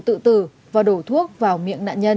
tự tử và đổ thuốc vào miệng nạn nhân